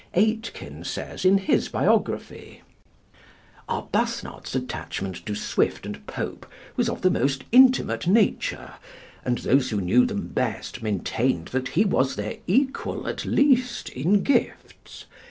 Aitken says, in his biography: "Arbuthnot's attachment to Swift and Pope was of the most intimate nature, and those who knew them best maintained that he was their equal at least in gifts.